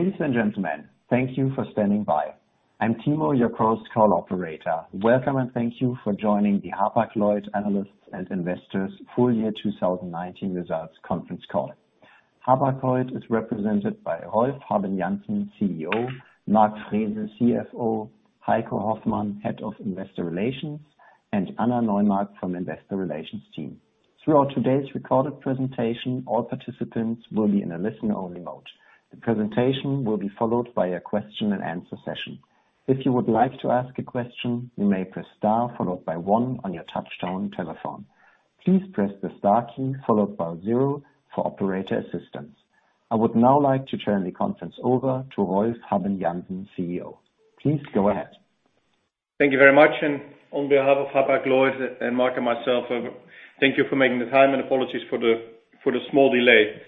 Ladies and gentlemen, thank you for standing by. I'm Timo, your cross call operator. Welcome, and thank you for joining the Hapag-Lloyd Analysts and Investors Full 2019 Results Conference Call. Hapag-Lloyd is represented by Rolf Habben Jansen, CEO, Mark Frese, CFO, Heiko Hoffmann, Head of Investor Relations, and Anna Neumar from Investor Relations team. Throughout today's recorded presentation, all participants will be in a listen-only mode. The presentation will be followed by a question-and-answer session. If you would like to ask a question, you may press star followed by one on your touchtone telephone. Please press the star key followed by zero for operator assistance. I would now like to turn the conference over to Rolf Habben Jansen, CEO. Please go ahead. Thank you very much. On behalf of Hapag-Lloyd and Mark and myself, thank you for making the time and apologies for the small delay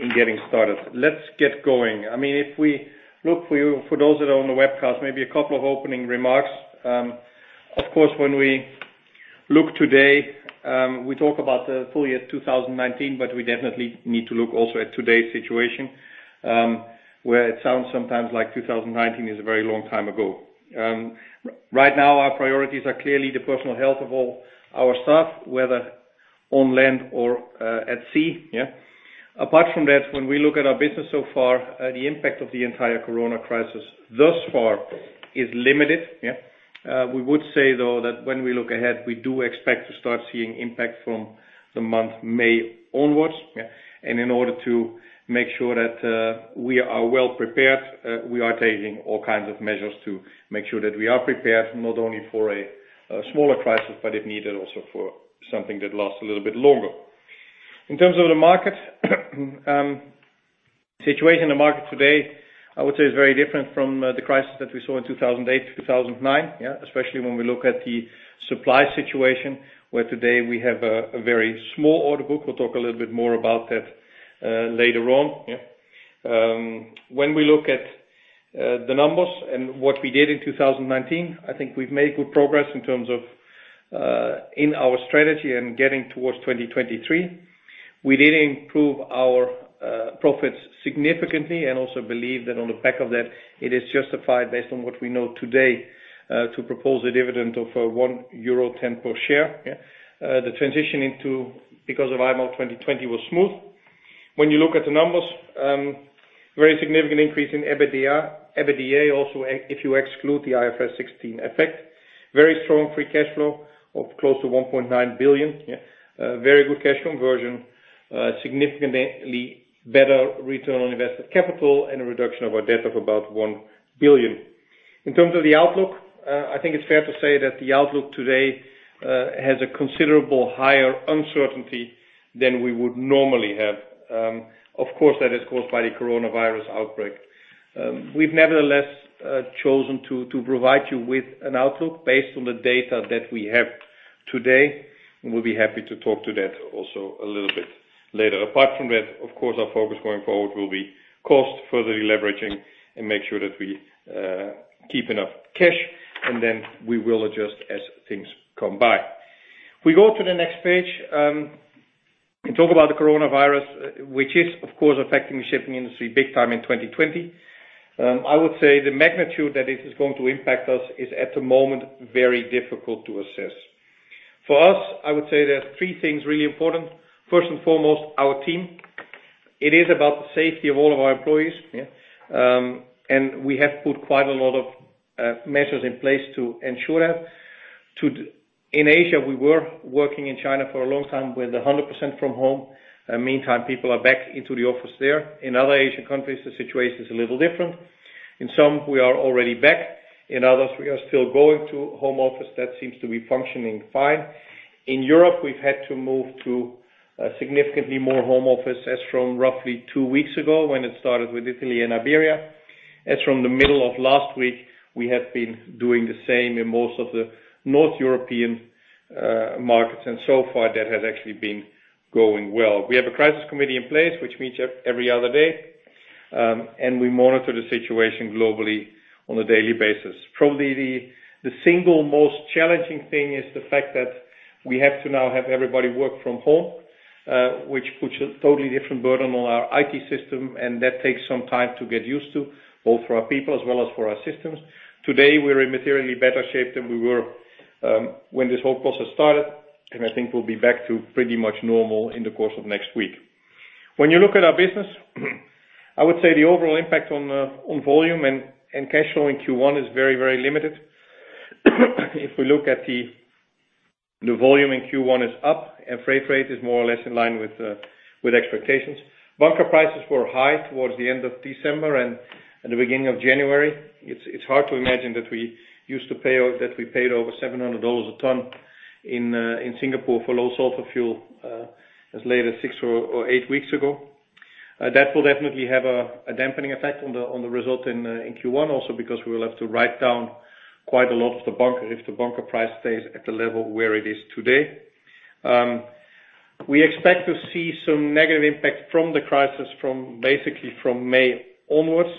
in getting started. Let's get going. I mean, if we look to you, for those that are on the webcast, maybe a couple of opening remarks. Of course, when we look today, we talk about the full year 2019, but we definitely need to look also at today's situation, where it sounds sometimes like 2019 is a very long time ago. Right now, our priorities are clearly the personal health of all our staff, whether on land or at sea. Apart from that, when we look at our biness so far, the impact of the entire corona crisis thus far is limited. We would say, though, that when we look ahead, we do expect to start seeing impact from the month May onwards. In order to make sure that we are well prepared, we are taking all kinds of measures to make sure that we are prepared, not only for a smaller crisis, but if needed, also for something that lasts a little bit longer. In terms of the market situation in the market today, I would say is very different from the crisis that we saw in 2008 to 2009, especially when we look at the supply situation, where today we have a very small order book. We'll talk a little bit more about that later on. When we look at the numbers and what we did in 2019, I think we've made good progress in terms of in our strategy and getting towards 2023. We did improve our profits significantly and also believe that on the back of that, it is justified based on what we know today to propose a dividend of 1.10 euro per share. The transition to 2020 because of IMO 2020 was smooth. When you look at the numbers, very significant increase in EBITDA. EBITDA also if you exclude the IFRS 16 effect. Very strong free cash flow of close to 1.9 billion. Very good cash conversion, significantly better return on invested capital and a reduction of our debt of about 1 billion. In terms of the outlook, I think it's fair to say that the outlook today has a considerable higher uncertainty than we would normally have. Of course, that is caused by the coronavirus outbreak. We've nevertheless chosen to provide you with an outlook based on the data that we have today, and we'll be happy to talk to that also a little bit later. Apart from that, of course, our focus going forward will be cost, further deleveraging, and make sure that we keep enough cash, and then we will adjust as things come by. If we go to the next page, and talk about the coronavirus, which is, of course, affecting the shipping industry big time in 2020. I would say the magnitude that it is going to impact us is, at the moment, very difficult to assess. For us, I would say there are three things really important. First and foremost, our team. It is about the safety of all of our employees, yeah. We have put quite a lot of measures in place to ensure that. In Asia, we were working in China for a long time with 100% from home. In the meantime, people are back into the office there. In other Asian countries, the situation is a little different. In some, we are already back. In others, we are still going to home office. That seems to be functioning fine. In Europe, we've had to move to significantly more home office as from roughly two weeks ago, when it started with Italy and Iberia. As from the middle of last week, we have been doing the same in most of the North European markets, and so far, that has actually been going well. We have a crisis committee in place which meets every other day, and we monitor the situation globally on a daily basis. Probably the single most challenging thing is the fact that we have to now have everybody work from home, which puts a totally different burden on our IT system, and that takes some time to get used to, both for our people as well as for our systems. Today, we're in materially better shape than we were when this whole process started, and I think we'll be back to pretty much normal in the course of next week. When you look at our business, I would say the overall impact on volume and cash flow in Q1 is very, very limited. If we look at the volume in Q1 is up and freight rate is more or less in line with expectations. Bunker prices were high towards the end of December and the beginning of January. It's hard to imagine that we used to pay that we paid over $700 a ton in Singapore for low sulfur fuel as late as six or eight weeks ago. That will definitely have a dampening effect on the result in Q1 also because we will have to write down quite a lot of the bunker if the bunker price stays at the level where it is today. We expect to see some negative impact from the crisis, basically from May onwards.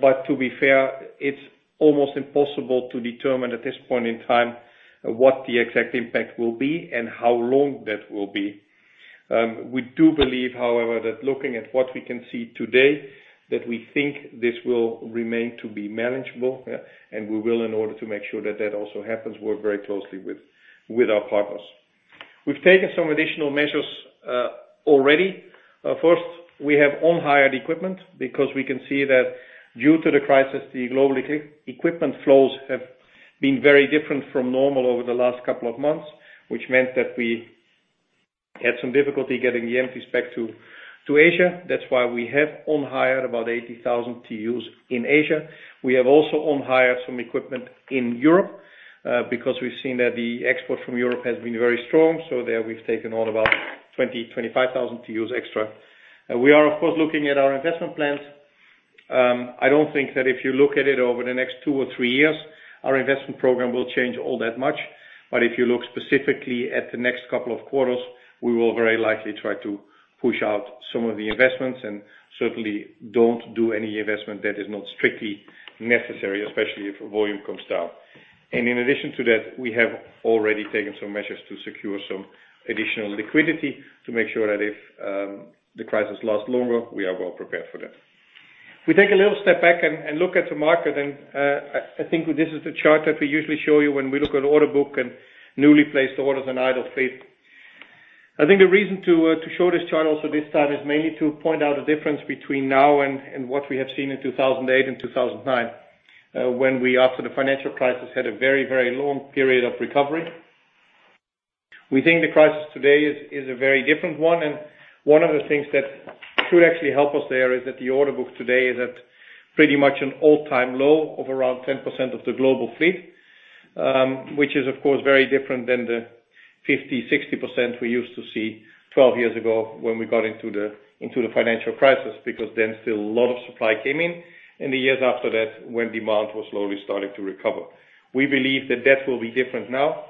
But to be fair, it's almost impossible to determine at this point in time what the exact impact will be and how long that will be. We do believe, however, that looking at what we can see today, that we think this will remain to be manageable, yeah. We will, in order to make sure that that also happens, work very closely with our partners. We've taken some additional measures already. First, we have on-hired equipment because we can see that due to the crisis, the global equipment flows have been very different from normal over the last couple of months, which meant that we had some difficulty getting the empties back to Asia. That's why we have on-hired about 80,000 TEUs in Asia. We have also on-hired some equipment in Europe, because we've seen that the export from Europe has been very strong, so there we've taken on about 20,000-25,000 TEUs extra. We are of course looking at our investment plans. I don't think that if you look at it over the next two or three years, our investment program will change all that much. If you look specifically at the next couple of s, we will very likely try to push out some of the investments and certainly don't do any investment that is not strictly necessary, especially if volume comes down. In addition to that, we have already taken some measures to secure some additional liquidity to make sure that if the crisis lasts longer, we are well prepared for that. If we take a little step back and look at the market and, I think this is the chart that we usually show you when we look at order book and newly placed orders and idle fleet. I think the reason to show this chart also this time is mainly to point out the difference between now and what we have seen in 2008 and 2009, when we, after the financial crisis, had a very long period of recovery. We think the crisis today is a very different one, and one of the things that could actually help us there is that the order book today is at pretty much an all-time low of around 10% of the global fleet. Which is of course very different than the 50%-60% we used to see 12 years ago when we got into the financial crisis, because then still a lot of supply came in in the years after that, when demand was slowly starting to recover. We believe that will be different now.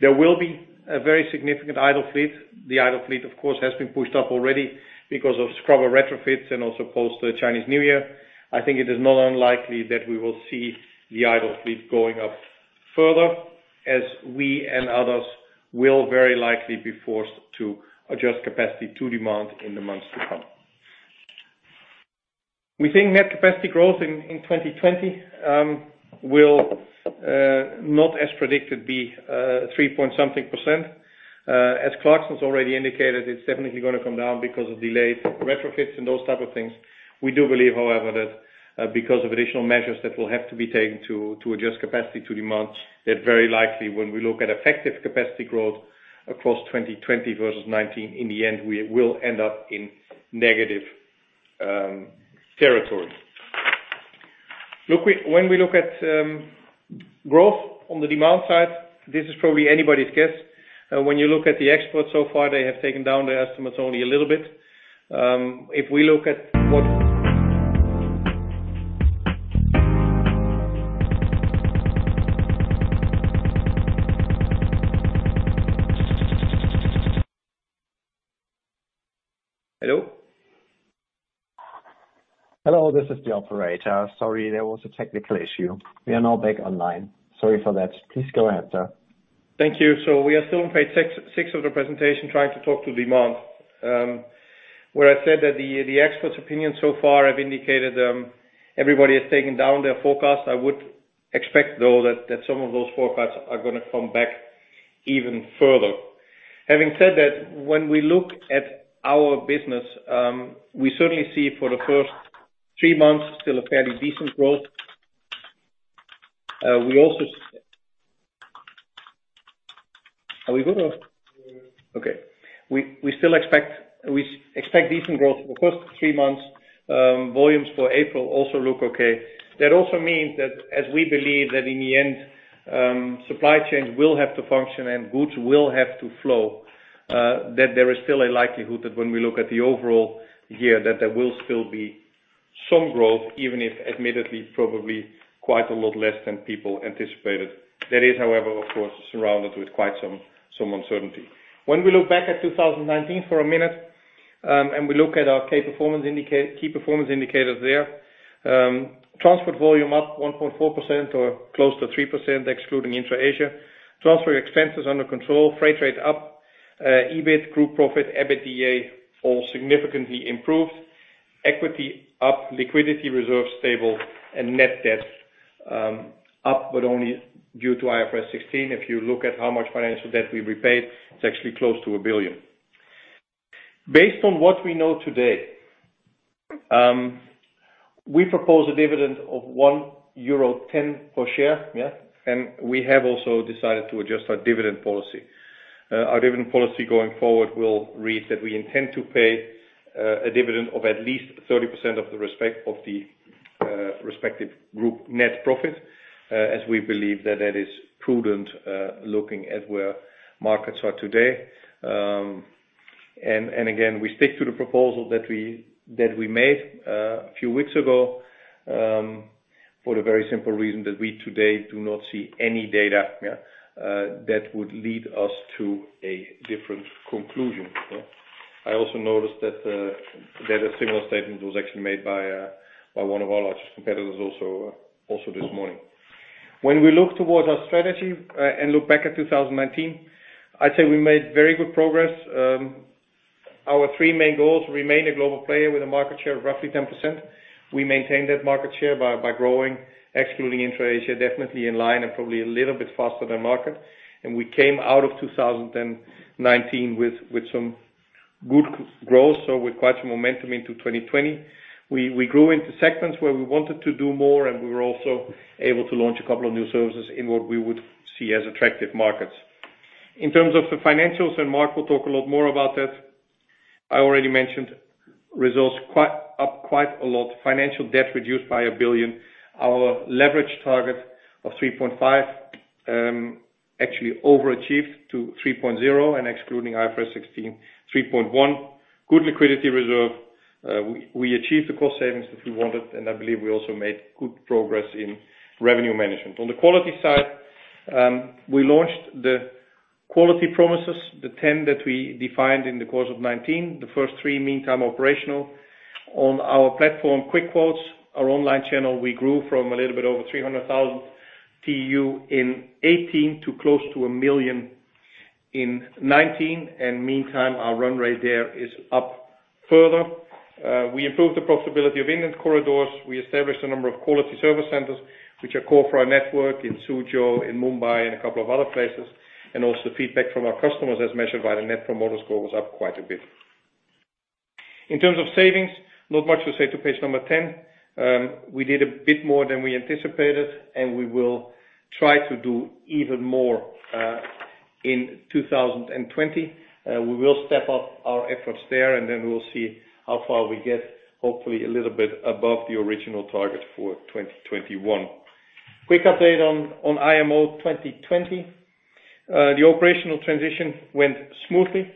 There will be a very significant idle fleet. The idle fleet, of course, has been pushed up already because of scrubber retrofits and also post the Chinese New Year. I think it is not unlikely that we will see the idle fleet going up further, as we and others will very likely be forced to adjust capacity to demand in the months to come. We think net capacity growth in 2020 will not as predicted be 3-something%. As Clarksons already indicated, it's definitely gonna come down because of delayed retrofits and those type of things. We do believe, however, that because of additional measures that will have to be taken to adjust capacity to demand, that very likely when we look at effective capacity growth across 2020 versus 2019, in the end, we will end up in negative territory. Look, when we look at growth on the demand side, this is probably anybody's guess. When you look at the exports so far, they have taken down their estimates only a little bit. Hello, this is the operator. Sorry, there was a technical issue. We are now back online. Sorry for that. Please go ahead, sir. Thank you. We are still on page six of the presentation, trying to talk to demand. Where I said that the experts' opinion so far have indicated, everybody has taken down their forecast. I would expect, though, that some of those forecasts are gonna come back even further. Having said that, when we look at our business, we certainly see for the first three months, still a fairly decent growth. Are we good or? Yeah. Okay. We still expect decent growth for the first three months. Volumes for April also look okay. That also means that as we believe that in the end, supply chains will have to function and goods will have to flow, that there is still a likelihood that when we look at the overall year, that there will still be some growth, even if admittedly probably quite a lot less than people anticipated. That is, however, of course, surrounded with quite some uncertainty. When we look back at 2019 for a minute, and we look at our key performance indicators there. Transport volume up 1.4% or close to 3%, excluding Intra-Asia. Transport expenses under control, freight rate up, EBIT, group profit, EBITDA all significantly improved. Equity up, liquidity reserves stable, and net debt up, but only due to IFRS 16. If you look at how much financial debt we repaid, it's actually close to 1 billion. Based on what we know today, we propose a dividend of 1.10 euro per share, and we have also decided to adjust our dividend policy. Our dividend policy going forward will read that we intend to pay a dividend of at least 30% of the respective group net profit, as we believe that is prudent, looking at where markets are today. We stick to the proposal that we made a few weeks ago, for the very simple reason that we today do not see any data that would lead us to a different conclusion. Yeah. I also noticed that a similar statement was actually made by one of our largest competitors also this morning. When we look towards our strategy and look back at 2019, I'd say we made very good progress. Our three main goals remain a global player with a market share of roughly 10%. We maintain that market share by growing, excluding Intra-Asia, definitely in line and probably a little bit faster than market. We came out of 2019 with some good growth, so with quite some momentum into 2020. We grew into segments where we wanted to do more, and we were also able to launch a couple of new services in what we would see as attractive markets. In terms of the financials, and Mark will talk a lot more about that, I already mentioned results, quite up quite a lot. Financial debt reduced by 1 billion. Our leverage target of 3.5, actually overachieved to 3.0 and excluding IFRS 16, 3.1. Good liquidity reserve. We achieved the cost savings that we wanted, and I believe we also made good progress in revenue management. On the quality side, we launched the quality promises, the 10 that we defined in the course of 2019, the first 3 meantime operational. On our platform, Quick Quotes, our online channel, we grew from a little bit over 300,000 TEU in 2018 to close to 1 million in 2019, and meantime, our run rate there is up further. We improved the profitability of inland corridors. We established a number of quality service centers, which are core for our network in Suzhou, in Mumbai, and a couple of other places. Also feedback from our customers as measured by the Net Promoter Score was up quite a bit. In terms of savings, not much to say to page 10. We did a bit more than we anticipated, and we will try to do even more in 2020. We will step up our efforts there, and then we'll see how far we get, hopefully a little bit above the original target for 2021. Quick update on IMO 2020. The operational transition went smoothly.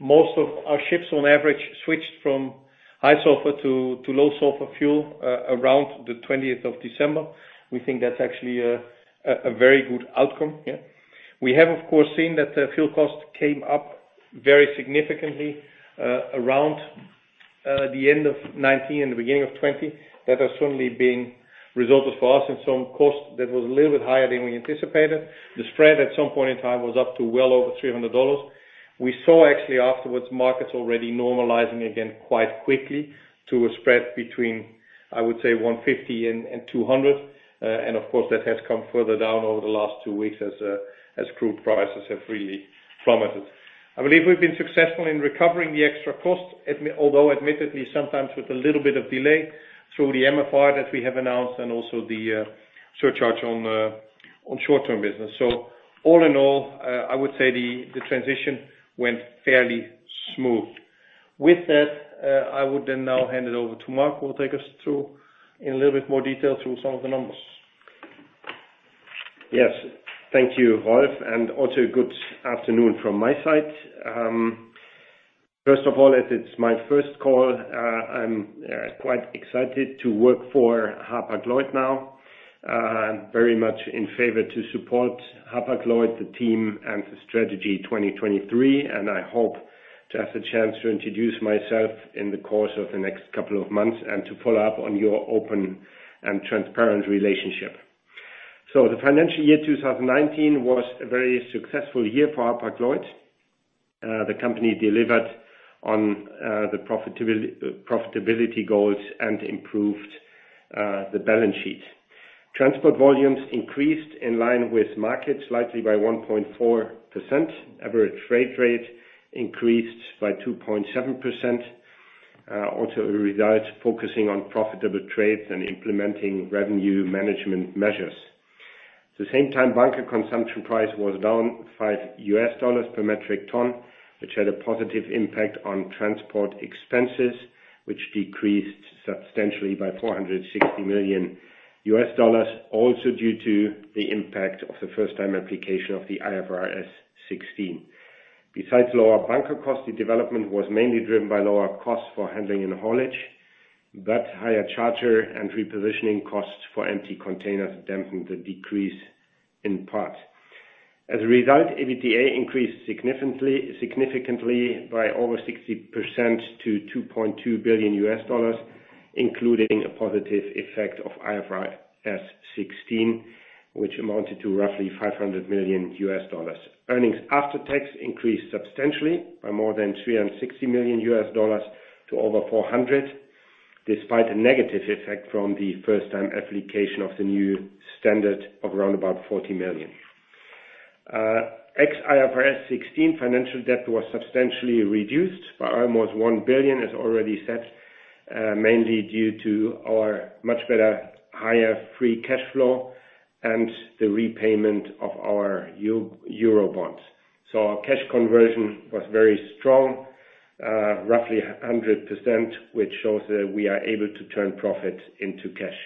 Most of our ships on average switched from high sulfur to low sulfur fuel around the 20th of December. We think that's actually a very good outcome, yeah. We have, of course, seen that the fuel cost came up very significantly around the end of 2019 and the beginning of 2020. That has certainly resulted for us in some cost that was a little bit higher than we anticipated. The spread at some point in time was up to well over $300. We saw actually afterwards markets already normalizing again quite quickly to a spread between, I would say, $150 and $200. Of course, that has come further down over the last two weeks as crude prices have really plummeted. I believe we've been successful in recovering the extra cost, although admittedly, sometimes with a little bit of delay through the MFR that we have announced and also the surcharge on short-term business. All in all, I would say the transition went fairly smooth. With that, I would then now hand it over to Mark, who will take us through in a little bit more detail some of the numbers. Yes. Thank you, Rolf, and also good afternoon from my side. First of all, as it's my first call, I'm quite excited to work for Hapag-Lloyd now. I'm very much in favor to support Hapag-Lloyd, the team, and the Strategy 2023, and I hope to have the chance to introduce myself in the course of the next couple of months and to follow up on your open and transparent relationship. The financial year 2019 was a very successful year for Hapag-Lloyd. The company delivered on the profitability goals and improved the balance sheet. Transport volumes increased in line with market slightly by 1.4%. Average freight rate increased by 2.7%. Also a result focusing on profitable trades and implementing revenue management measures. At the same time, bunker consumption price was down $5 per metric ton, which had a positive impact on transport expenses, which decreased substantially by $460 million, also due to the impact of the first-time application of the IFRS 16. Besides lower bunker cost, the development was mainly driven by lower costs for handling and haulage, but higher charter and repositioning costs for empty containers dampened the decrease in part. As a result, EBITDA increased significantly by over 60% to $2.2 billion, including a positive effect of IFRS 16, which amounted to roughly $500 million. Earnings after tax increased substantially by more than $360 million to over $400 million, despite a negative effect from the first-time application of the new standard of around $40 million. Ex IFRS 16, financial debt was substantially reduced by almost 1 billion, as already said, mainly due to our much better higher free cash flow and the repayment of our Euro bonds. Our cash conversion was very strong, roughly 100%, which shows that we are able to turn profit into cash.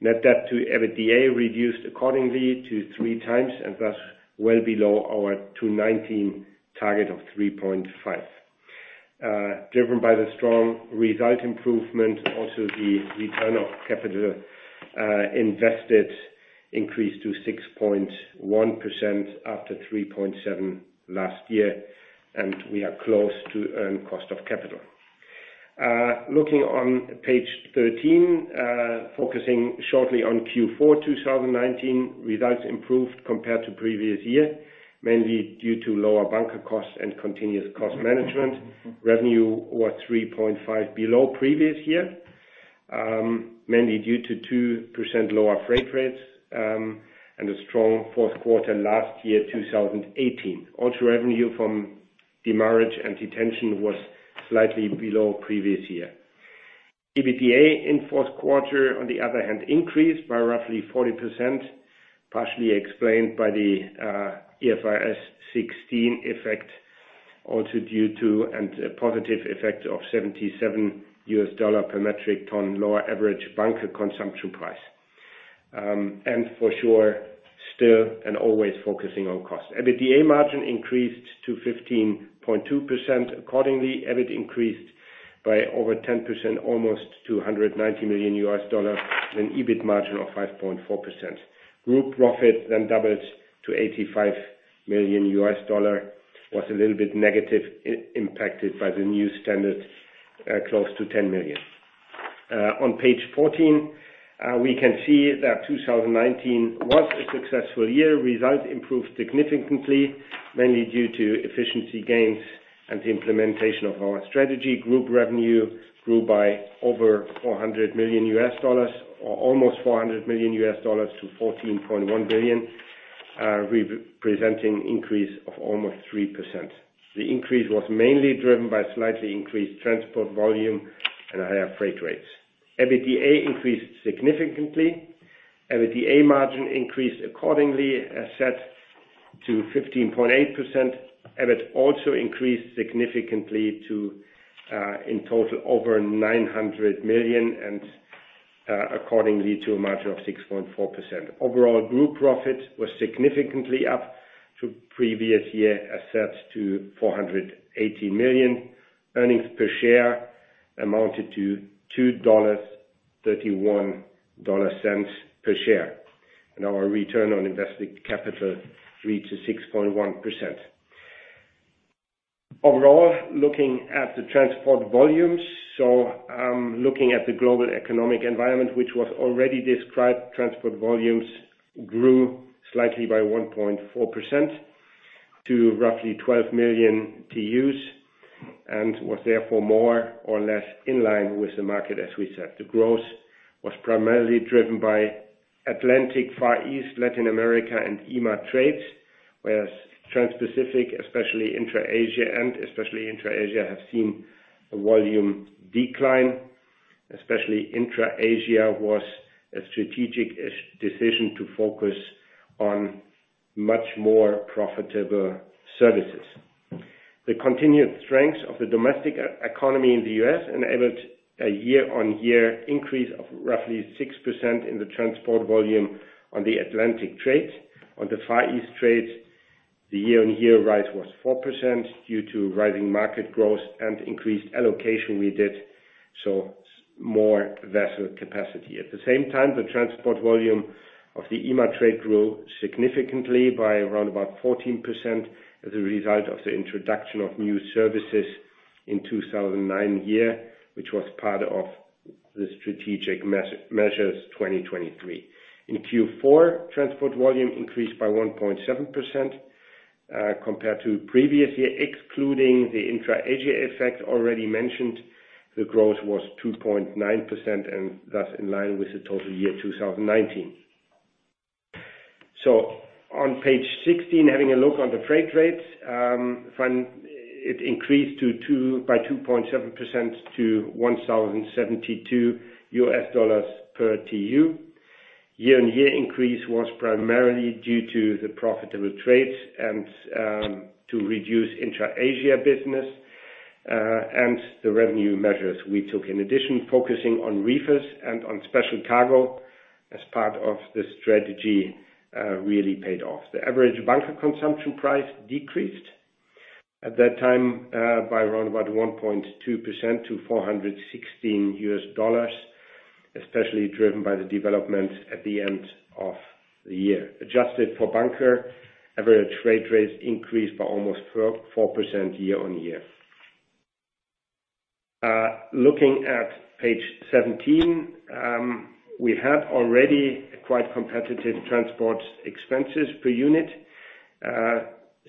Net debt to EBITDA reduced accordingly to 3x and thus well below our 2019 target of 3.5. Driven by the strong result improvement, the return on invested capital increased to 6.1% after 3.7% last year, and we are close to our cost of capital. Looking on page 13, focusing shortly on Q4 2019, results improved compared to previous year, mainly due to lower bunker costs and continuous cost management. Revenue was 3.5 below previous year, mainly due to 2% lower freight rates, and a strong Q4 last year, 2018. Also, revenue from demurrage and detention was slightly below previous year. EBITDA in Q4, on the other hand, increased by roughly 40%, partially explained by the IFRS 16 effect, also due to and a positive effect of $77 per metric ton lower average bunker consumption price. And for sure, still and always focusing on cost. EBITDA margin increased to 15.2%. Accordingly, EBIT increased by over 10% almost to $190 million, an EBIT margin of 5.4%. Group profit then doubled to $85 million. It was a little bit negative, impacted by the new standard, close to 10 million. On page 14, we can see that 2019 was a successful year. Results improved significantly, mainly due to efficiency gains and the implementation of our strategy. Group revenue grew by over $400 million, or almost $400 million to $14.1 billion, representing an increase of almost 3%. The increase was mainly driven by slightly increased transport volume and higher freight rates. EBITDA increased significantly. EBITDA margin increased accordingly to 15.8%. EBIT also increased significantly to in total over $900 million and accordingly to a margin of 6.4%. Overall, Group profit was significantly up from the previous year to $480 million. Earnings per share amounted to $2.31 per share. Our Return on Invested Capital grew to 6.1%. Overall, looking at the transport volumes. Looking at the global economic environment, which was already described, transport volumes grew slightly by 1.4% to roughly 12 million TEUs, and was therefore more or less in line with the market, as we said. The growth was primarily driven by Atlantic, Far East, Latin America, and EMA trades, whereas Transpacific, especially Intra-Asia, have seen a volume decline. Especially Intra-Asia was a strategic decision to focus on much more profitable services. The continued strength of the domestic e-economy in the U.S. enabled a year-on-year increase of roughly 6% in the transport volume on the Atlantic trade. On the Far East trades, the year-on-year rise was 4% due to rising market growth and increased allocation we did, so more vessel capacity. At the same time, the transport volume of the EMA trade grew significantly by around 14% as a result of the introduction of new services in 2009, which was part of the Strategy 2023. In Q4, transport volume increased by 1.7% compared to previous year. Excluding the Intra-Asia effect already mentioned, the growth was 2.9% and thus in line with the total year 2019. On page 16, having a look on the freight rates, which increased by 2.7% to $1,072 per TEU. Year-on-year increase was primarily due to the profitable trades and the reduced Intra-Asia business and the revenue measures we took. In addition, focusing on reefers and on special cargo as part of the strategy, really paid off. The average bunker consumption price decreased at that time by around about 1.2% to $416, especially driven by the development at the end of the year. Adjusted for bunker, average rate per TEU increased by almost 4% year-on-year. Looking at page 17, we have already quite competitive transport expenses per unit.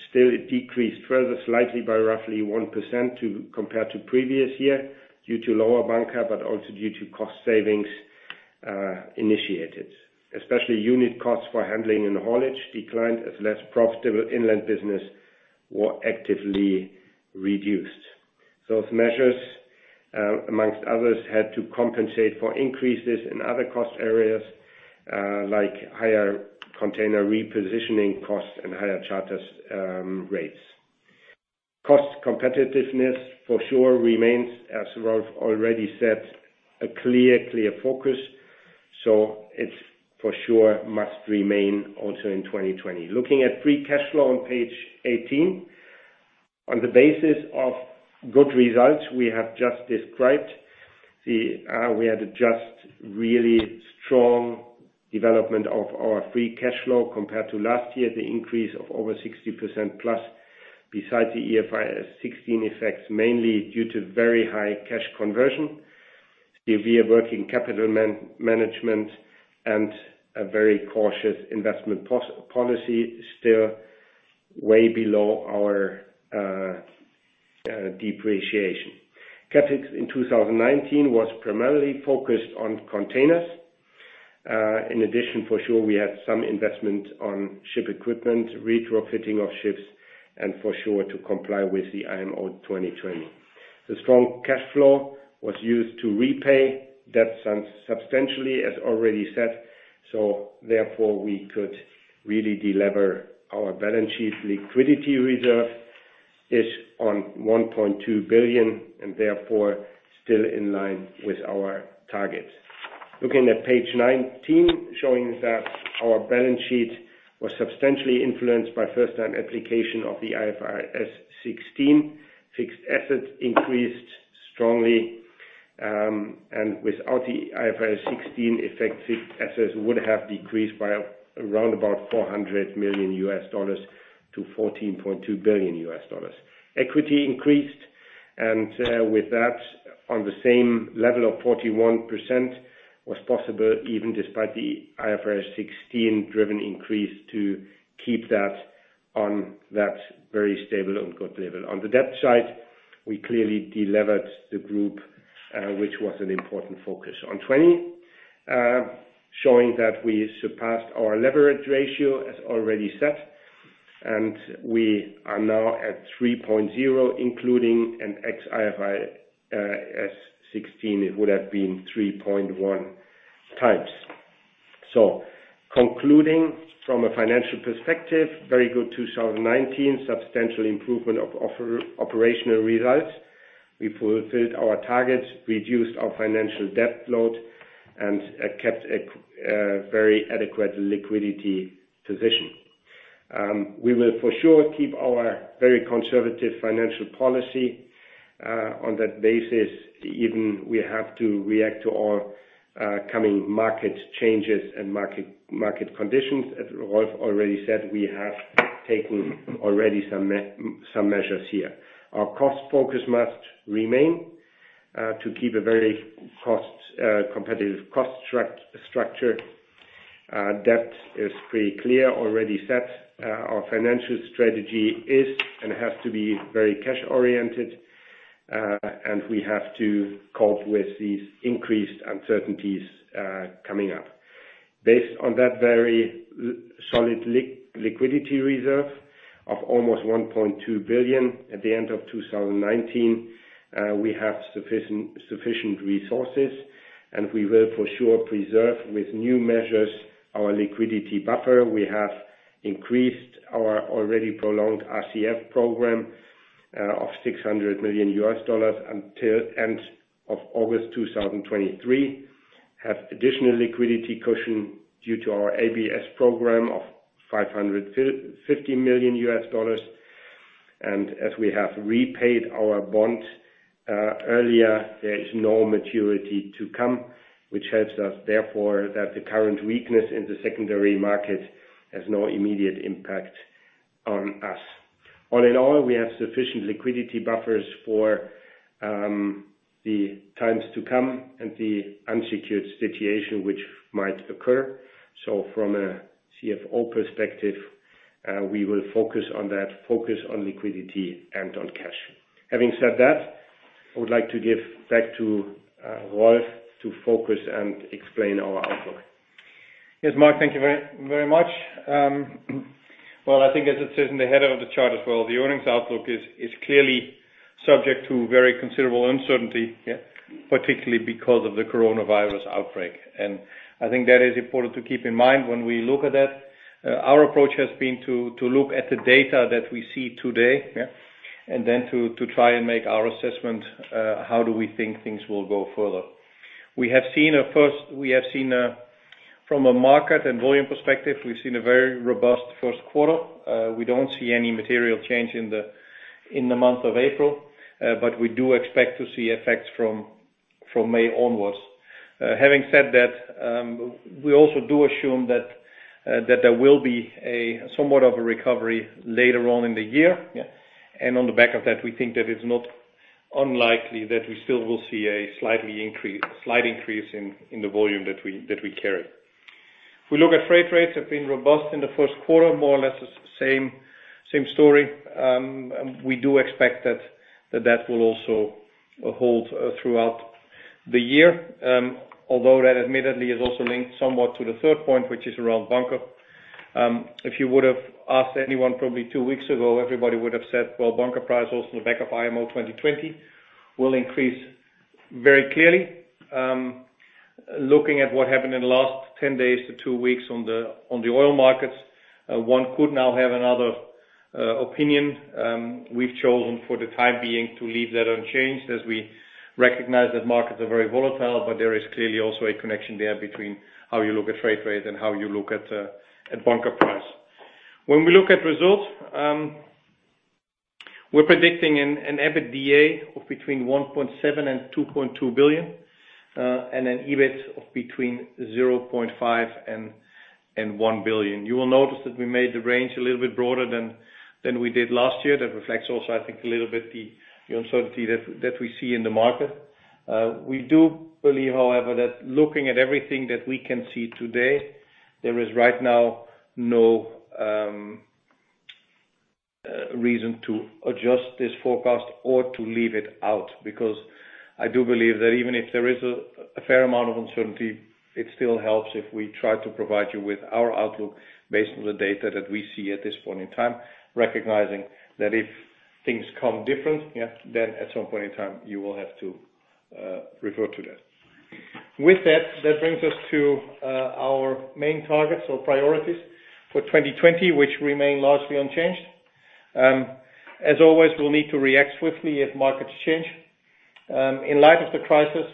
Still it decreased further slightly by roughly 1% compared to previous year due to lower bunker, but also due to cost savings initiated. Especially unit costs for handling and haulage declined as less profitable inland business were actively reduced. Those measures, among others, had to compensate for increases in other cost areas, like higher container repositioning costs and higher charter rates. Cost competitiveness for sure remains, as Rolf already said, a clear focus. It for sure must remain also in 2020. Looking at free cash flow on page 18. On the basis of good results we have just described, we had just really strong development of our free cash flow compared to last year, the increase of over 60%+ besides the IFRS 16 effects, mainly due to very high cash conversion via working capital management and a very cautious investment policy, still way below our depreciation. CapEx in 2019 was primarily focused on containers. In addition, for sure, we had some investment on ship equipment, retrofitting of ships, and for sure to comply with the IMO 2020. The strong cash flow was used to repay debt substantially, as already said, so therefore, we could really delever our balance sheet. Liquidity reserve is at 1.2 billion and therefore still in line with our targets. Looking at page 19, showing that our balance sheet was substantially influenced by first-time application of the IFRS 16. Fixed assets increased strongly, and without the IFRS 16, fixed assets would have decreased by around $400 million to $14.2 billion. Equity increased and, with that, on the same level of 41% was possible even despite the IFRS 16-driven increase to keep that on that very stable and good level. On the debt side, we clearly delevered the group, which was an important focus. In 2020, showing that we surpassed our leverage ratio as already set, and we are now at 3.0, including an ex-IFRS 16, it would have been 3.1 times. Concluding from a financial perspective, very good 2019, substantial improvement of operational results. We fulfilled our targets, reduced our financial debt load, and kept a very adequate liquidity position. We will for sure keep our very conservative financial policy, on that basis, even if we have to react to all coming market changes and market conditions. As Rolf already said, we have taken already some measures here. Our cost focus must remain, to keep a very competitive cost structure. Debt is pretty clear, already set. Our financial strategy is and has to be very cash-oriented, and we have to cope with these increased uncertainties coming up. Based on that very solid liquidity reserve of almost 1.2 billion at the end of 2019, we have sufficient resources, and we will for sure preserve with new measures our liquidity buffer. We have increased our already prolonged RCF program of $600 million until end of August 2023. Have additional liquidity cushion due to our ABS program of $550 million. As we have repaid our bond earlier, there is no maturity to come, which helps us therefore that the current weakness in the secondary market has no immediate impact on us. All in all, we have sufficient liquidity buffers for the times to come and the unsecured situation which might occur. From a CFO perspective, we will focus on that, focus on liquidity and on cash. Having said that, I would like to give back to Rolf to focus and explain our outlook. Yes, Mark, thank you very, very much. Well, I think as it says in the header of the chart as well, the earnings outlook is clearly subject to very considerable uncertainty, yeah, particularly because of the coronavirus outbreak. I think that is important to keep in mind when we look at that. Our approach has been to look at the data that we see today, yeah, and then to try and make our assessment, how do we think things will go further. We have seen, from a market and volume perspective, a very robust Q1. We don't see any material change in the month of April, but we do expect to see effects from May onwards. Having said that, we also do assume that there will be a somewhat of a recovery later on in the year. Yeah. On the back of that, we think that it's not unlikely that we still will see a slight increase in the volume that we carry. If we look at freight rates, they have been robust in the Q1, more or less the same story. We do expect that that will also hold throughout the year, although that admittedly is also linked somewhat to the third point, which is around bunker. If you would have asked anyone probably two weeks ago, everybody would have said, bunker prices on the back of IMO 2020 will increase very clearly. Looking at what happened in the last 10 days to two weeks on the oil markets, one could now have another opinion. We've chosen for the time being to leave that unchanged as we recognize that markets are very volatile, but there is clearly also a connection there between how you look at freight rate and how you look at bunker price. When we look at results, we're predicting an EBITDA of between 1.7 billion and 2.2 billion, and an EBIT of between 0.5 billion and 1 billion. You will notice that we made the range a little bit broader than we did last year. That reflects also, I think, a little bit the uncertainty that we see in the market. We do believe, however, that looking at everything that we can see today, there is right now no reason to adjust this forecast or to leave it out. Because I do believe that even if there is a fair amount of uncertainty, it still helps if we try to provide you with our outlook based on the data that we see at this point in time, recognizing that if things come different, then at some point in time, you will have to revert to that. With that, it brings us to our main targets or priorities for 2020, which remain largely unchanged. As always, we'll need to react swiftly if markets change. In light of the crisis,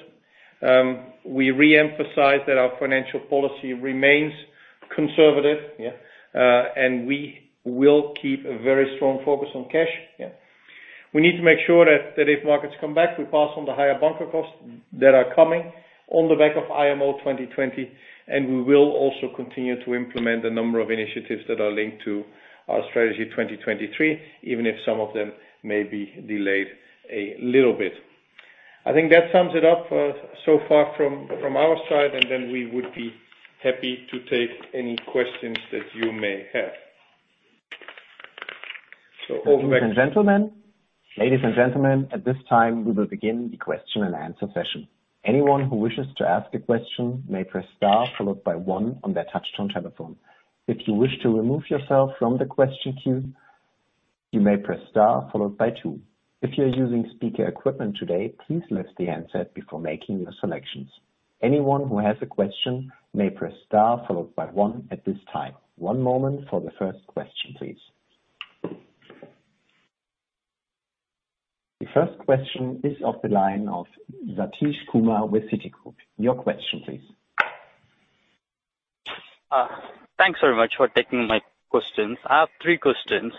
we reemphasize that our financial policy remains conservative, and we will keep a very strong focus on cash. We need to make sure that if markets come back, we pass on the higher bunker costs that are coming on the back of IMO 2020, and we will also continue to implement a number of initiatives that are linked to our Strategy 2023, even if some of them may be delayed a little bit. I think that sums it up so far from our side, and then we would be happy to take any questions that you may have. Over back- Ladies and gentlemen, at this time, we will begin the question and answer session. Anyone who wishes to ask a question may press star followed by one on their touchtone telephone. If you wish to remove yourself from the question queue, you may press star followed by two. If you're using speaker equipment today, please lift the handset before making your selections. Anyone who has a question may press star followed by one at this time. One moment for the first question, please. The first question is from the line of Sathish Kumar with Citigroup. Your question, please. Thanks very much for taking my questions. I have three questions.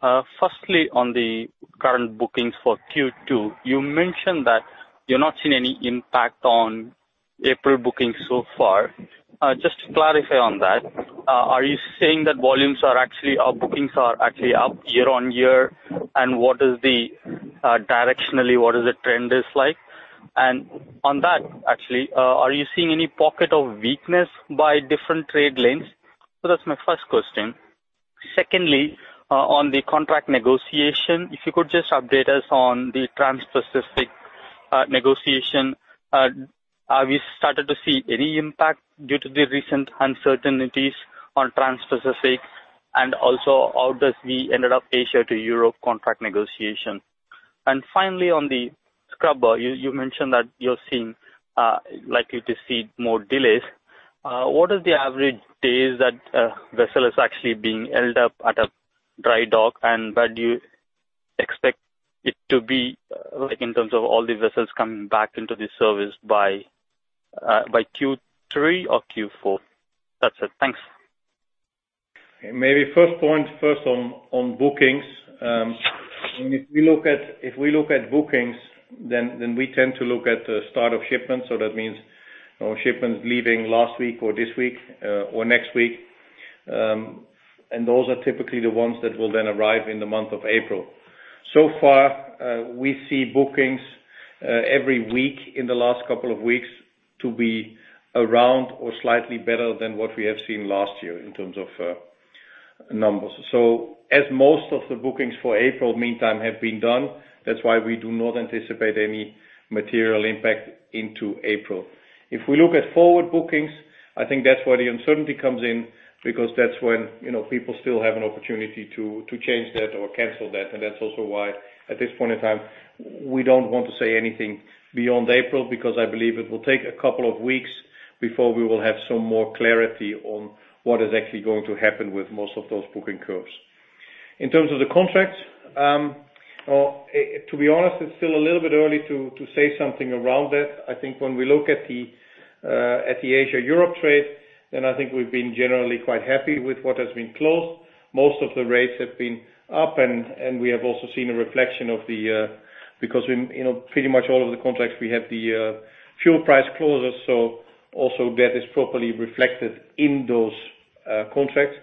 Firstly, on the current bookings for Q2, you mentioned that you're not seeing any impact on April bookings so far. Just to clarify on that, are you saying that volumes are actually, or bookings are actually up year-on-year? And directionally, what is the trend like? And on that, actually, are you seeing any pocket of weakness by different trade lanes? So that's my first question. Secondly, on the contract negotiation, if you could just update us on the Transpacific negotiation. Have you started to see any impact due to the recent uncertainties on Transpacific? And also, how did the Asia to Europe contract negotiation end up? And finally, on the scrubber, you mentioned that you're likely to see more delays. What is the average days that vessel is actually being held up at a dry dock? When do you expect it to be, like, in terms of all the vessels coming back into the service by Q3 or Q4? That's it. Thanks. Maybe first point first on bookings. If we look at bookings, then we tend to look at the start of shipments. That means our shipments leaving last week or this week or next week. Those are typically the ones that will then arrive in the month of April. So far, we see bookings every week in the last couple of weeks to be around or slightly better than what we have seen last year in terms of numbers. As most of the bookings for April meantime have been done, that's why we do not anticipate any material impact into April. If we look at forward bookings, I think that's where the uncertainty comes in because that's when, people still have an opportunity to change that or cancel that. That's also why at this point in time, we don't want to say anything beyond April, because I believe it will take a couple of weeks before we will have some more clarity on what is actually going to happen with most of those booking curves. In terms of the contracts, to be honest, it's still a little bit early to say something around that. I think when we look at the Asia Europe trade, then I think we've been generally quite happy with what has been closed. Most of the rates have been up, and we have also seen a reflection, because we, pretty much all of the contracts, we have the fuel price clauses, so also that is properly reflected in those contracts.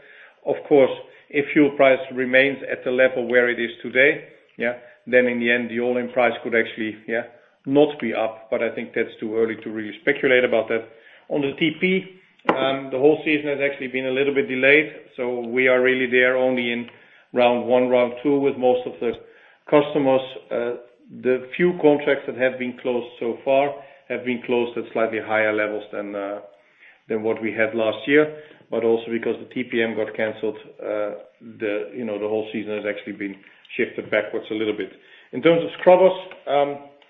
Of course, if fuel price remains at the level where it is today, yeah, then in the end, the all-in price could actually, yeah, not be up, but I think that's too early to really speculate about that. On the TP, the whole season has actually been a little bit delayed, so we are really there only in round one, round two with most of the customers. The few contracts that have been closed so far have been closed at slightly higher levels than what we had last year. But also, because the TPM got canceled, the whole season has actually been shifted backwards a little bit. In terms of scrubbers,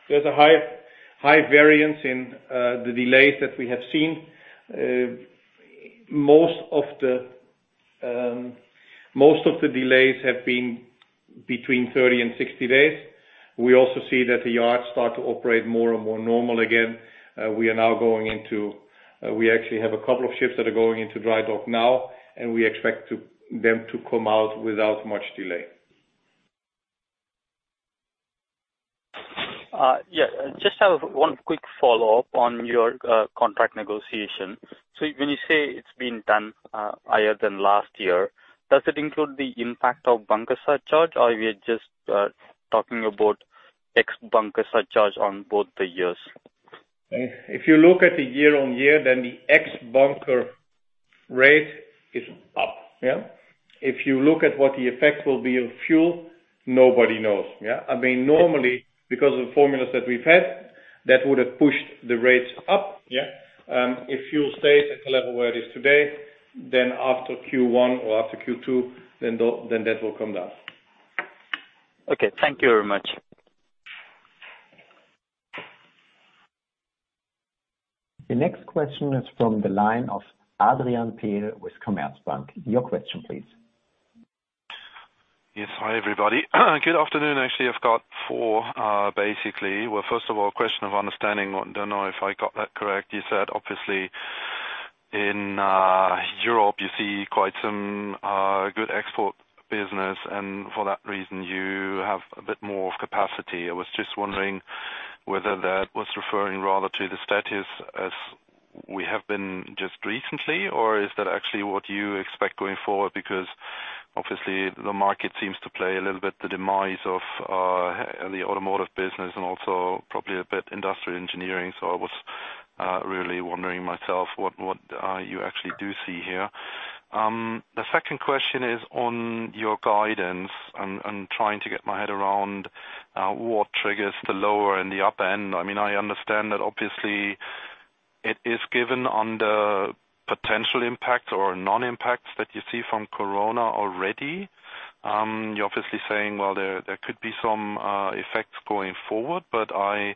there's a high variance in the delays that we have seen. Most of the delays have been between 30 and 60 days. We also see that the yards start to operate more and more normal again. We actually have a couple of ships that are going into dry dock now, and we expect them to come out without much delay. Yeah. I just have one quick follow-up on your contract negotiation. When you say it's been done higher than last year, does it include the impact of bunker surcharge, or we are just talking about ex bunker surcharge on both the years? If you look at the year-on-year, then the ex-bunker rate is up. Yeah. If you look at what the effect will be on fuel, nobody knows. Yeah. I mean, normally, because of the formulas that we've had, that would have pushed the rates up. Yeah. If fuel stays at the level where it is today, then after Q1 or after Q2, then that will come down. Okay. Thank you very much. The next question is from the line of Adrian Piel with Commerzbank. Your question, please. Yes. Hi, everybody. Good afternoon. Actually, I've got four, basically. Well, first of all, a question of understanding. I don't know if I got that correct. You said, obviously in, Europe, you see quite some, good export business, and for that reason, you have a bit more of capacity. I was just wondering whether that was referring rather to the status as we have been just recently, or is that actually what you expect going forward? Because obviously the market seems to play a little bit, the demise of, the automotive business and also probably a bit industrial engineering. So I was really wondering myself what you actually do see here. The second question is on your guidance. I'm trying to get my head around, what triggers the lower and the upper end. I mean, I understand that obviously it is given on the potential impact or non-impact that you see from Corona already. You're obviously saying, well, there could be some effects going forward, but I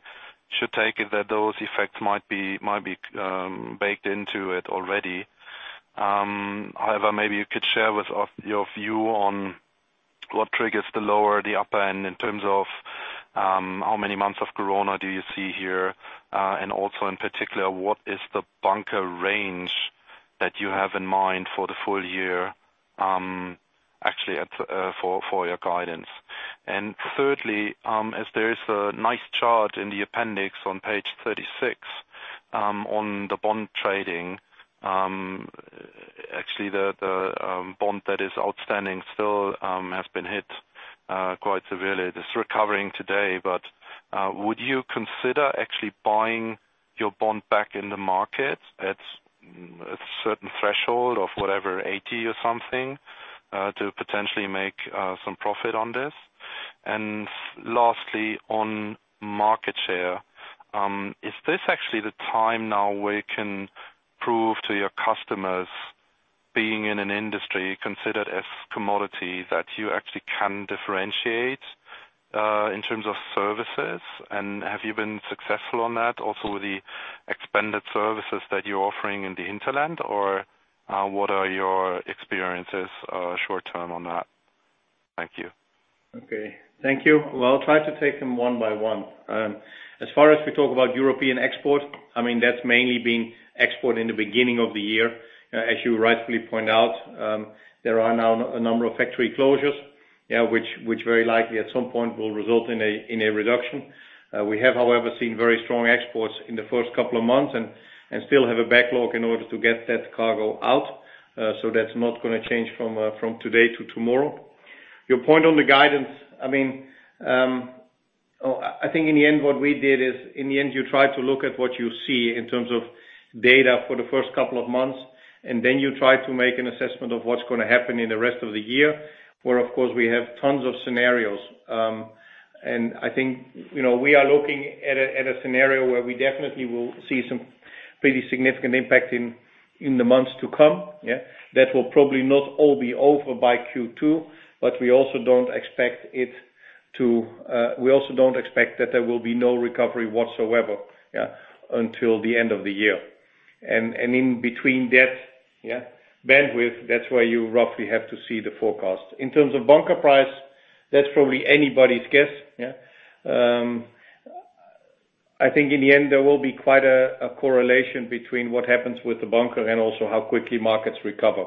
should take it that those effects might be baked into it already. However, maybe you could share with us your view on what triggers the lower, the upper end in terms of, how many months of Corona do you see here? Also in particular, what is the bunker range that you have in mind for the full year, actually at, for your guidance? Thirdly, as there is a nice chart in the appendix on page 36, on the bond trading, actually the bond that is outstanding still, has been hit quite severely. It is recovering today, but would you consider actually buying your bond back in the market at a certain threshold of whatever, eighty or something, to potentially make some profit on this? Lastly, on market share, is this actually the time now where you can prove to your customers being in an industry considered as commodity, that you actually can differentiate in terms of services? Have you been successful on that also with the expanded services that you're offering in the hinterland, or what are your experiences short-term on that? Thank you. Okay. Thank you. Well, I'll try to take them one by one. As far as we talk about European export, I mean, that's mainly been export in the beginning of the year. As you rightfully point out, there are now a number of factory closures, which very likely at some point will result in a reduction. We have, however, seen very strong exports in the first couple of months and still have a backlog in order to get that cargo out, so that's not gonna change from today to tomorrow. Your point on the guidance, I mean, I think in the end, what we did is, you try to look at what you see in terms of data for the first couple of months, and then you try to make an assessment of what's gonna happen in the rest of the year, where, of course, we have tons of scenarios. I think, we are looking at a scenario where we definitely will see some pretty significant impact in the months to come. Yeah. That will probably not all be over by Q2, but we also don't expect it to, we also don't expect that there will be no recovery whatsoever, yeah, until the end of the year. In between that, yeah, bandwidth, that's where you roughly have to see the forecast. In terms of bunker price, that's probably anybody's guess. I think in the end, there will be quite a correlation between what happens with the bunker and also how quickly markets recover.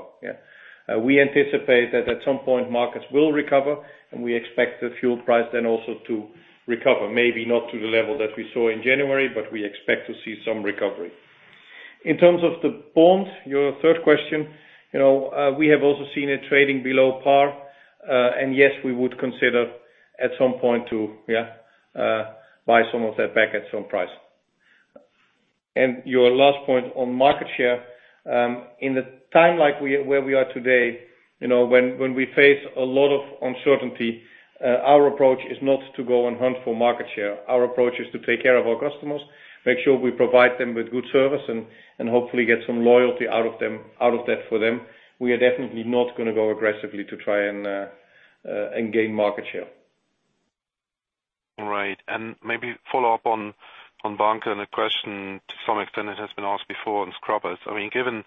We anticipate that at some point, markets will recover, and we expect the fuel price then also to recover, maybe not to the level that we saw in January, but we expect to see some recovery. In terms of the bonds, your third question, we have also seen it trading below par, and yes, we would consider at some point to buy some of that back at some price. Your last point on market share, in the time like where we are today, when we face a lot of uncertainty, our approach is not to go and hunt for market share. Our approach is to take care of our customers, make sure we provide them with good service and hopefully get some loyalty out of that for them. We are definitely not gonna go aggressively to try and gain market share. Right. Maybe follow up on bunker and a question to some extent that has been asked before on scrubbers. I mean, given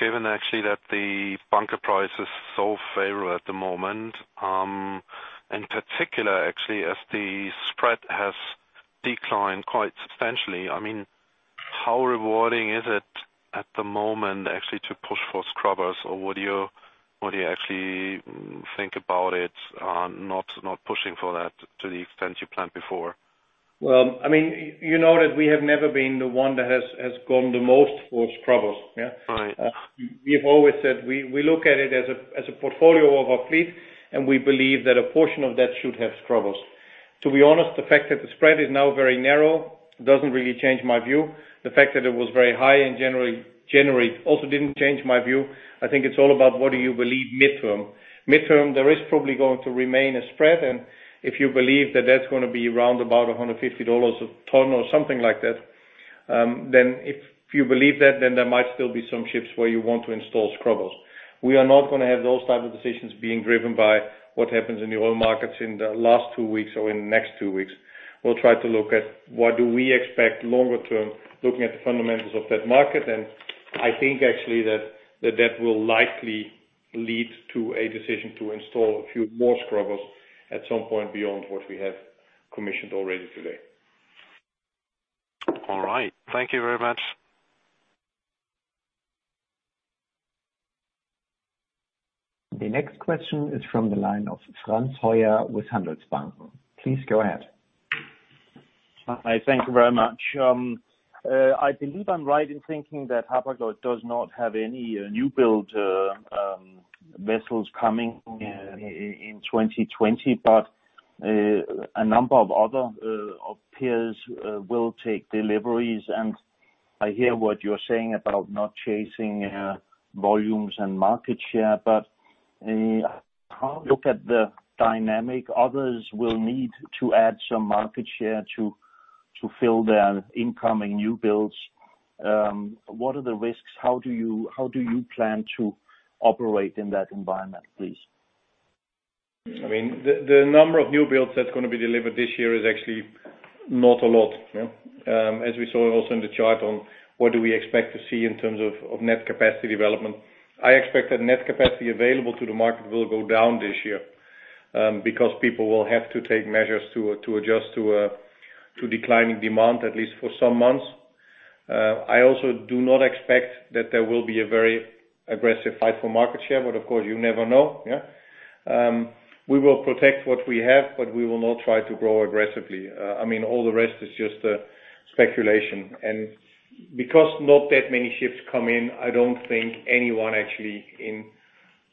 actually that the bunker price is so favorable at the moment, in particular, actually, as the spread has declined quite substantially. I mean, how rewarding is it at the moment actually, to push for scrubbers? Or would you actually think about it, not pushing for that to the extent you planned before? Well, I mean, you know that we have never been the one that has gone the most for scrubbers, yeah? Right. We've always said we look at it as a portfolio of our fleet, and we believe that a portion of that should have scrubbers. To be honest, the fact that the spread is now very narrow doesn't really change my view. The fact that it was very high in January also didn't change my view. I think it's all about what do you believe midterm. Midterm, there is probably going to remain a spread, and if you believe that that's gonna be round about $150 a ton or something like that, then if you believe that, then there might still be some ships where you want to install scrubbers. We are not gonna have those type of decisions being driven by what happens in the oil markets in the last two weeks or in the next two weeks. We'll try to look at what do we expect longer term, looking at the fundamentals of that market, and I think actually that will likely lead to a decision to install a few more scrubbers at some point beyond what we have commissioned already today. All right. Thank you very much. The next question is from the line of Frans Hoyer with Handelsbanken. Please go ahead. Hi. Thank you very much. I believe I'm right in thinking that Hapag-Lloyd does not have any new build vessels coming in 2020, but a number of other peers will take deliveries. I hear what you're saying about not chasing volumes and market share. How do you look at the dynamic others will need to add some market share to fill their incoming new builds? What are the risks? How do you plan to operate in that environment, please? I mean, the number of new builds that's gonna be delivered this year is actually not a lot, yeah. As we saw also in the chart on what we expect to see in terms of net capacity development, I expect that net capacity available to the market will go down this year, because people will have to take measures to adjust to declining demand, at least for some months. I also do not expect that there will be a very aggressive fight for market share, but of course, you never know, yeah. We will protect what we have, but we will not try to grow aggressively. I mean, all the rest is just speculation. Because not that many ships come in, I don't think anyone actually in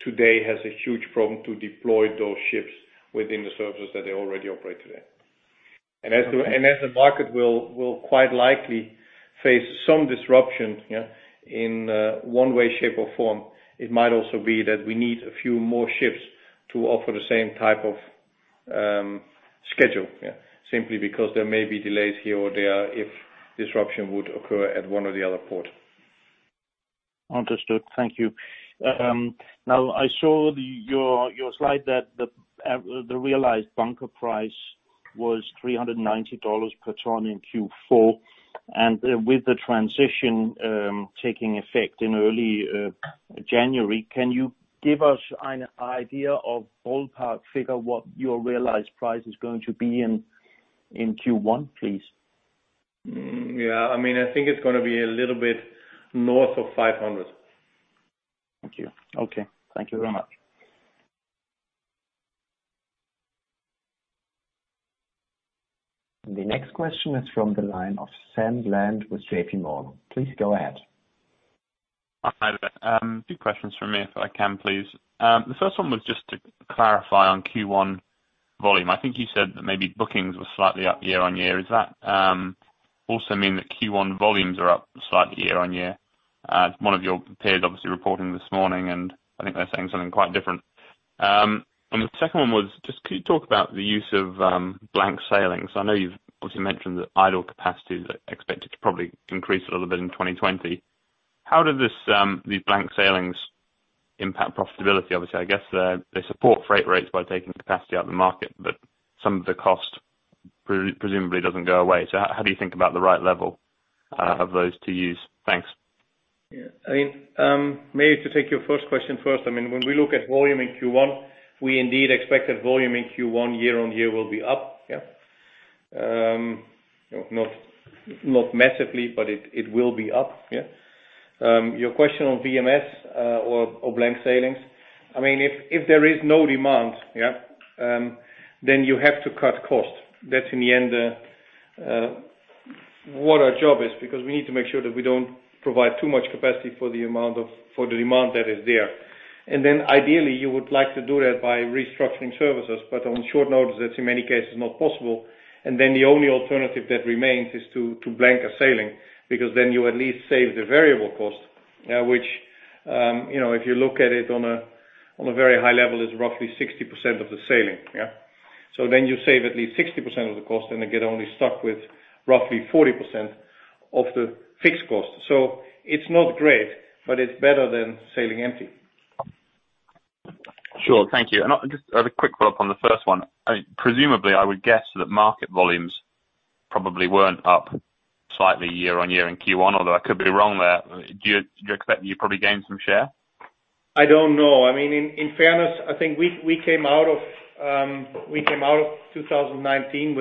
today has a huge problem to deploy those ships within the services that they already operate today. As the market will quite likely face some disruption, yeah, in one way, shape, or form, it might also be that we need a few more ships to offer the same type of schedule, yeah. Simply because there may be delays here or there if disruption would occur at one or the other port. Understood. Thank you. Now I saw your slide that the realized bunker price was $390 per ton in Q4. With the transition taking effect in early January, can you give us an idea of ballpark figure, what your realized price is going to be in Q1, please? Yeah. I mean, I think it's gonna be a little bit north of 500. Thank you. Okay. Thank you very much. The next question is from the line of Sam Bland with JP Morgan. Please go ahead. Hi there. Two questions from me, if I can, please. The first one was just to clarify on Q1 volume. I think you said that maybe bookings were slightly up year-on-year. Does that also mean that Q1 volumes are up slightly year-on-year? One of your peers obviously reporting this morning, and I think they're saying something quite different. The second one was just, could you talk about the use of blank sailings? I know you've obviously mentioned that idle capacity is expected to probably increase a little bit in 2020. How do these blank sailings impact profitability? Obviously, I guess, they support freight rates by taking capacity out of the market, but some of the cost presumably doesn't go away. So how do you think about the right level of those to use? Thanks. I mean, maybe to take your first question first. I mean, when we look at volume in Q1, we indeed expect that volume in Q1 year-over-year will be up. Not massively, but it will be up. Your question on VMS or Blank Sailings. I mean, if there is no demand, then you have to cut costs. That's in the end what our job is, because we need to make sure that we don't provide too much capacity for the demand that is there. Ideally, you would like to do that by restructuring services, but on short notice, that in many cases is not possible. Then the only alternative that remains is to blank a sailing, because then you at least save the variable cost, which, if you look at it on a very high level, is roughly 60% of the sailing. Yeah. So, then you save at least 60% of the cost and then get only stuck with roughly 40% of the fixed cost. So, it's not great, but it's better than sailing empty. Sure. Thank you. I have a quick follow-up on the first one. I mean, presumably, I would guess that market volumes probably weren't up slightly year-on-year in Q1, although I could be wrong there. Do you expect you probably gained some share? I don't know. I mean, in fairness, I think we came out of 2019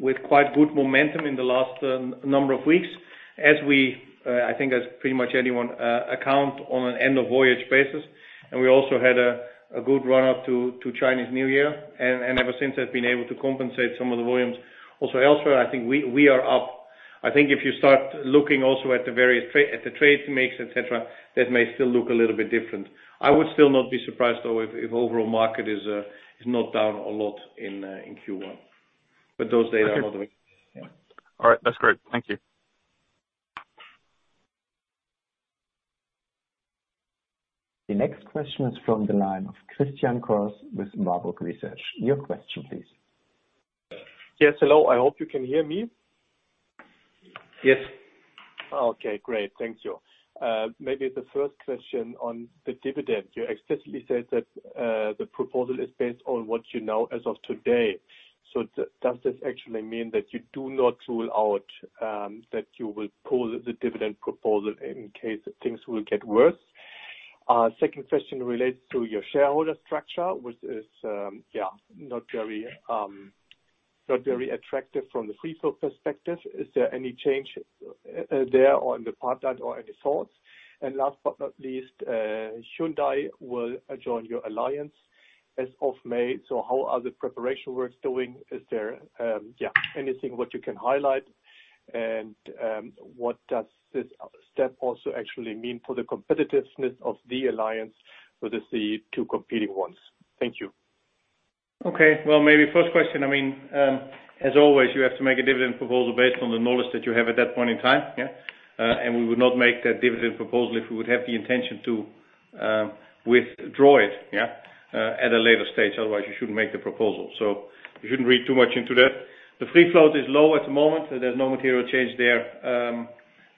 with quite good momentum in the last number of weeks. I think as pretty much anyone accounts on an end of voyage basis. We also had a good run up to Chinese New Year and ever since have been able to compensate some of the volumes. Also, elsewhere, I think we are up. I think if you start looking also at the various trade lanes, et cetera, that may still look a little bit different. I would still not be surprised, though, if overall market is not down a lot in Q1. Those data are not- Okay. Yeah. All right. That's great. Thank you. The next question is from the line of Christian Nagl with Warburg Research. Your question please. Yes. Hello, I hope you can hear me. Yes. Okay, great. Thank you. Maybe the first question on the dividend. You explicitly said that the proposal is based on what you know as of today. So does this actually mean that you do not rule out that you will pull the dividend proposal in case that things will get worse? Second question relates to your shareholder structure, which is not very attractive from the free float perspective. Is there any change there or in the part or any thoughts? And last but not least, Hyundai will join your alliance as of May, so how are the preparation works doing? Is there anything what you can highlight? And what does this step also actually mean for the competitiveness of the alliance with the two competing ones? Thank you. Okay. Well, maybe first question, I mean, as always, you have to make a dividend proposal based on the knowledge that you have at that point in time, yeah. We would not make that dividend proposal if we would have the intention to withdraw it at a later stage. Otherwise, you shouldn't make the proposal. You shouldn't read too much into that. The free float is low at the moment, so there's no material change there,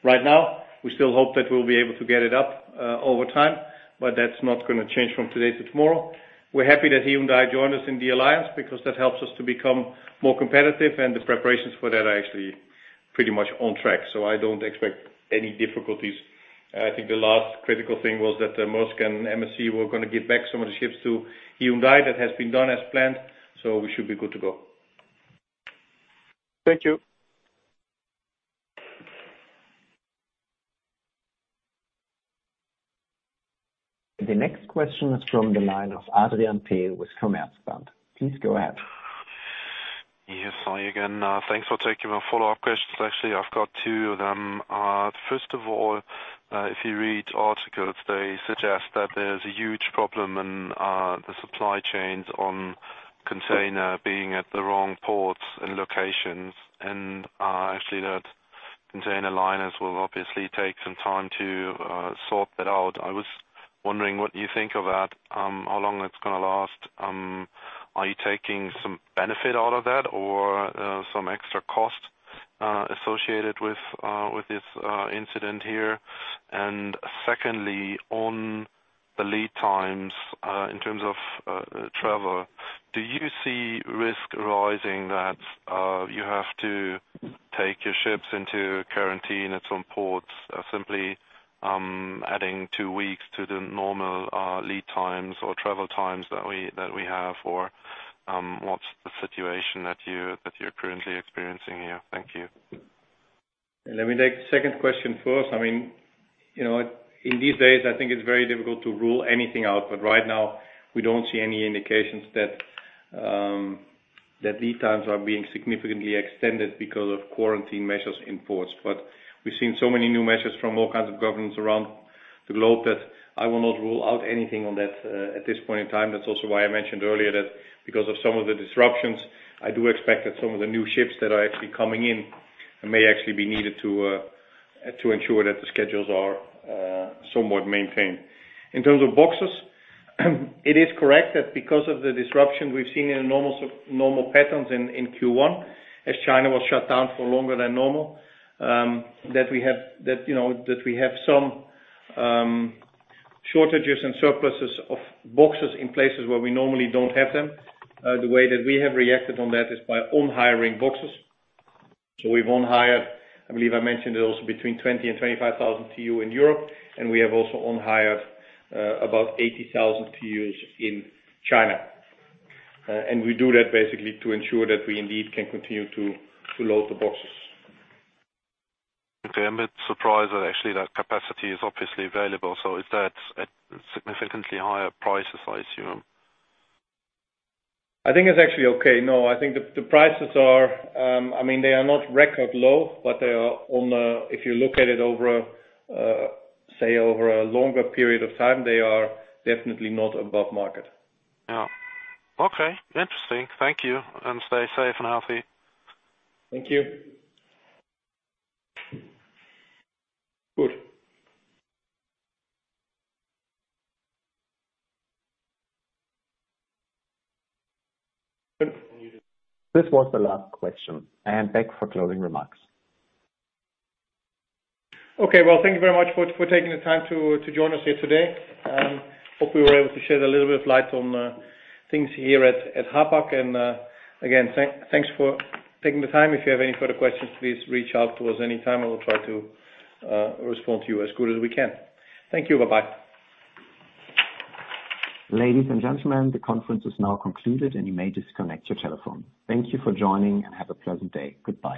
right now. We still hope that we'll be able to get it up over time, but that's not gonna change from today to tomorrow. We're happy that Hyundai joined us in the alliance because that helps us to become more competitive, and the preparations for that are actually pretty much on track. I don't expect any difficulties. I think the last critical thing was that the MSC and HMM were gonna give back some of the ships to Hyundai. That has been done as planned, so we should be good to go. Thank you. The next question is from the line of Adrian Pehl with Commerzbank. Please go ahead. Yes. Hi again. Thanks for taking my follow-up questions. Actually, I've got two of them. First of all, if you read articles, they suggest that there's a huge problem in the supply chains on container being at the wrong ports and locations. Actually that container liners will obviously take some time to sort that out. I was wondering what you think of that, how long it's gonna last. Are you taking some benefit out of that or some extra cost associated with this incident here? Secondly, on the lead times, in terms of travel, do you see risk arising that you have to take your ships into quarantine at some ports, simply adding two weeks to the normal lead times or travel times that we have or what's the situation that you're currently experiencing here? Thank you. Let me take the second question first. I mean, in these days, I think it's very difficult to rule anything out. Right now, we don't see any indications that that lead times are being significantly extended because of quarantine measures in ports. We've seen so many new measures from all kinds of governments around the globe that I will not rule out anything on that at this point in time. That's also why I mentioned earlier that because of some of the disruptions; I do expect that some of the new ships that are actually coming in may actually be needed to ensure that the schedules are somewhat maintained. In terms of boxes, it is correct that because of the disruption we've seen in normal patterns in Q1, as China was shut down for longer than normal, that we have some shortages and surpluses of boxes in places where we normally don't have them. The way that we have reacted on that is by on hiring boxes. We've on hired, I believe I mentioned it also, between 20,000 and 25,000 TEU in Europe, and we have also on hired about 80,000 TEUs in China. We do that basically to ensure that we indeed can continue to load the boxes. Okay. I'm a bit surprised that actually that capacity is obviously available. Is that at significantly higher prices, I assume? I think it's actually okay. No, I think the prices are, I mean, they are not record low, but they are on a, if you look at it over a, say, over a longer period of time, they are definitely not above market. Yeah. Okay. Interesting. Thank you. Stay safe and healthy. Thank you. Good. This was the last question. Back for closing remarks. Okay. Well, thank you very much for taking the time to join us here today. Hope we were able to shed a little bit of light on things here at Hapag. Again, thanks for taking the time. If you have any further questions, please reach out to us any time, and we'll try to respond to you as good as we can. Thank you. Bye-bye. Ladies and gentlemen, the conference is now concluded, and you may disconnect your telephone. Thank you for joining and have a pleasant day. Goodbye.